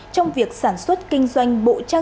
trong việc sản xuất kinh doanh bộ trang